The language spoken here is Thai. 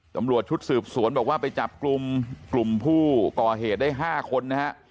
ตำรวจชุดสืบสวนบอกว่าไปจับกลุ่มกลุ่มผู้ก่อเหตุได้๕คนนะฮะ